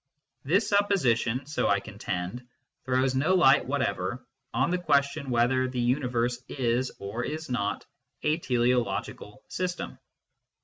This sup position so I contend throws no light whatever on the question whether the universe is or is not a " teleo logical " system.